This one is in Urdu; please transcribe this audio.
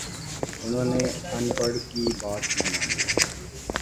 انہوں نے اَن پڑھ کی بات نہ مانی